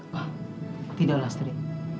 pa tidak lastri